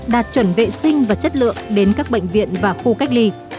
đạt chuẩn vệ sinh và chất lượng đến các bệnh viện và khu cách ly